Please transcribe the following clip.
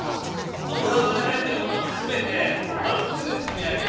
その箱に入ってるものを全て真っすぐ積み上げる。